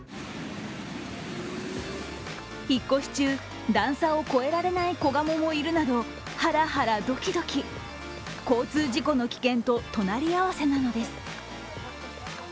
引っ越し中、段差を越えられない子鴨もいるなどハラハラドキドキ、交通事故の危険と隣り合わせなのです。